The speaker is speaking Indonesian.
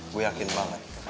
gue yakin banget